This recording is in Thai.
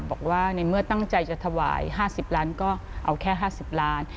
บอกว่าในเมื่อตั้งใจจะถวาย๕๐ล้านก็เอาแค่๕๐ล้าน